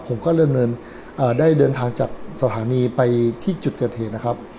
ผมก็เริ่มได้เดินทางจากสถานีไปที่จุดเกิดเหตุนะครับ